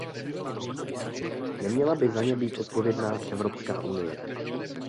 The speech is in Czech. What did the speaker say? Neměla by za ně být odpovědná Evropská unie.